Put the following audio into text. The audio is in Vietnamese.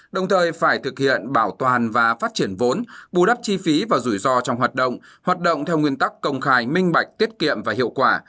đồng thời phải thực hiện bảo toàn và phát triển vốn bù đắp chi phí và rủi ro trong hoạt động hoạt động theo nguyên tắc công khai minh bạch tiết kiệm và hiệu quả